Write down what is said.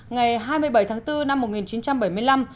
ngày hai mươi bảy tháng bốn năm một nghìn chín trăm bảy mươi năm